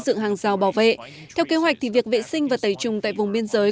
dựng hàng rào bảo vệ theo kế hoạch thì việc vệ sinh và tẩy trùng tại vùng biên giới